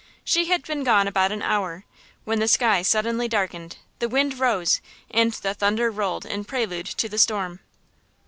She had been gone about an hour, when the sky suddenly darkened, the wind rose and the thunder rolled in prelude to the storm.